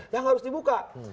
yang harus dibuka